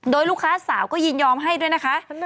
โดยลูกค้าสาวก็ยินยอมให้ด้วยนะคะ